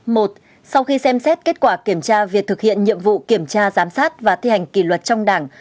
một sau khi xem xét kết quả kiểm tra việc thực hiện nhiệm vụ kiểm tra giám sát và thi hành kỷ luật trong đảng